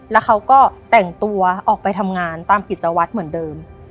แล้วเขาก็แต่งตัวออกไปทำงานตามกิจวัตรเหมือนเดิม